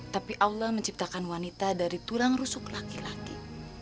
tapi allah menciptakan wanita dari tulang rusuk laki laki